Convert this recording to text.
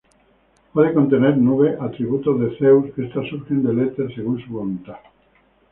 Puede contener nubes, atributo de Zeus; estas surgen del Éter según su voluntad.